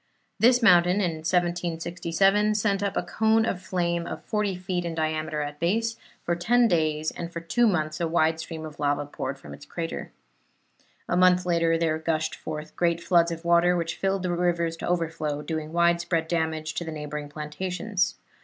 This mountain, in 1767, sent up a cone of flame of forty feet in diameter at base, for ten days, and for two months a wide stream of lava poured from its crater. A month later there gushed forth great floods of water, which filled the rivers to overflow, doing widespread damage to the neighboring plantations.